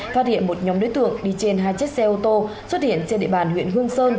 phát hiện một nhóm đối tượng đi trên hai chiếc xe ô tô xuất hiện trên địa bàn huyện hương sơn